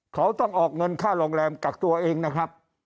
เขาต้องออกเงินค่าโรงแรมกักตัวเองนะครับ